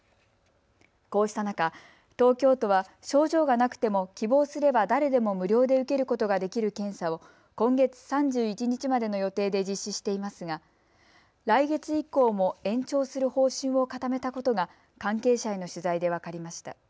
こうした中、東京都は症状がなくても希望すれば誰でも無料で受けることができる検査を今月３１日までの予定で実施していますが来月以降も延長する方針を固めたことが関係者への取材で分かりました。